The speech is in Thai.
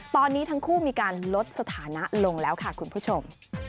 ตอนนี้ทั้งคู่มีการลดสถานะลงแล้วค่ะคุณผู้ชม